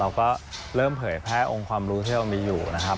เราก็เริ่มเผยแพร่องค์ความรู้ที่เรามีอยู่นะครับ